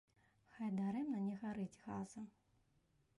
Хай дарэмна не гарыць газа.